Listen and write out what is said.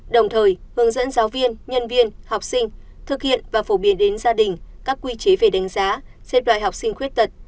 đồng thời hướng dẫn giáo viên nhân viên học sinh thực hiện và phổ biến đến gia đình các quy chế về đánh giá xếp loại học sinh khuyết tật